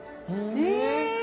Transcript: え！